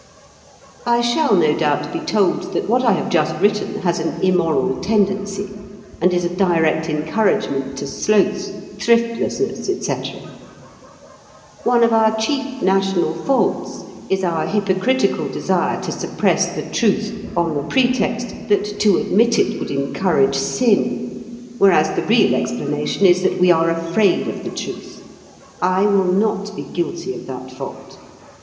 I shall no doubt be told that what I have just written has an immoral tendency, and is a direct encouragement to sloth, thriftlessness, etc. One of our chief national faults is our hypocritical desire to suppress the truth on the pretext that to admit it would encourage sin, whereas the real explanation is that we are afraid of the truth. I will not be guilty of that fault.